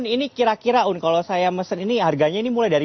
ini kira kira un kalau saya mesen ini harganya ini mulai dari